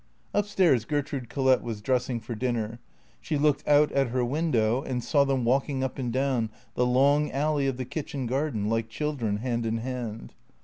Up stairs Gertrude Collett was dressing for dinner. She looked out at her window and saw them walking up and down the long alley of the kitchen garden, like children, hand in hand.